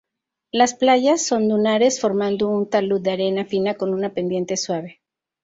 Las playas son dunares, formando un talud de arena fina con una pendiente suave.